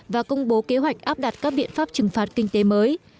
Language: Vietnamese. và công bố kế hoạch áp đặt các biện pháp trừng phạt kinh tế mới